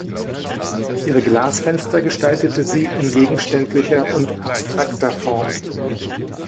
Ihre Glasfenster gestaltete sie in gegenständlicher und abstrakter Form.